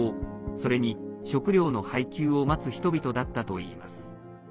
それに食料の配給を待つ人々だったといいます。